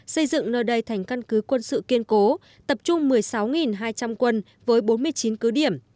xây dựng nơi đây thành căn cứ quân sự kiên cố tập trung một mươi sáu hai trăm linh quân với bốn mươi chín cứ điểm